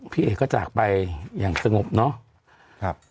พี่เอกก็จากไปอย่างสงบเนาะ